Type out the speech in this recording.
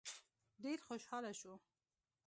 ډېر خوشحاله شو.